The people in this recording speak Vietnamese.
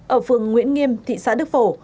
ở phường nguyễn nghiêm thị xã đức phổ